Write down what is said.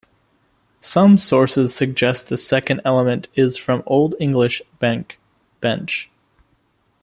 Some sources suggest the second element is from Old English "benc" "bench".